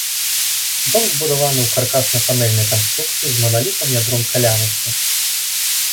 Дом збудаваны ў каркасна-панэльнай канструкцыі з маналітным ядром калянасці.